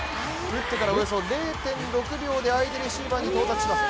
打ってからおよそ０．６秒で相手レシーバーに到達します。